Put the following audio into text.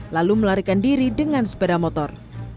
lalu melarikan diri dengan sepeda motor